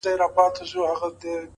o كه ملاقات مو په همدې ورځ وسو،